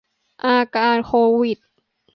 อาการโควิด